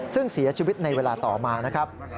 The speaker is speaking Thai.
ซึ่งเสียชีวิตในเวลาต่อมานะครับ